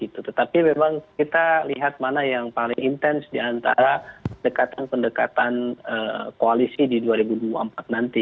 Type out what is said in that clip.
tetapi memang kita lihat mana yang paling intens diantara pendekatan pendekatan koalisi di dua ribu dua puluh empat nanti